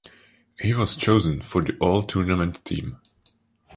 He was chosen for the All-Tournament Team.